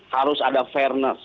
harus ada fairness ya